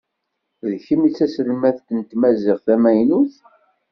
D kemm i d taselmadt n tmaziɣt tamaynut?